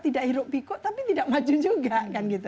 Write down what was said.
tidak hirup pikul tapi tidak maju juga kan gitu